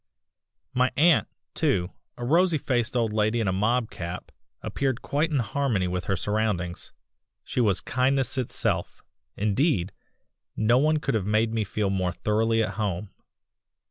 "My aunt, too a rosy faced old lady in a mob cap appeared quite in harmony with her surroundings. She was kindness itself indeed, no one could have made me feel more thoroughly at home.